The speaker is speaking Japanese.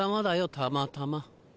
たまたま。